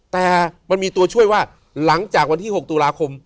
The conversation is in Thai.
แต่มันมีตัวช่วยว่าหลังจากวันที่๖ตุลาคม